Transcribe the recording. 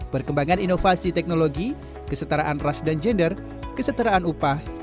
perkembangan inovasi teknologi kesetaraan ras dan gender kesetaraan upah